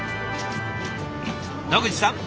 野口さん